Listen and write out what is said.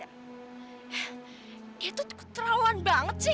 hah dia tuh ketrawan banget sih